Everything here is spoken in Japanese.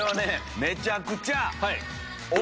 めちゃくちゃ。